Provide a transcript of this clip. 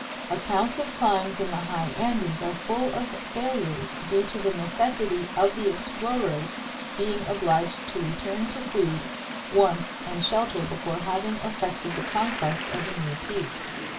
Accounts of climbs in the high Andes are full of failures due to the necessity of the explorers' being obliged to return to food, warmth, and shelter before having effected the conquest of a new peak.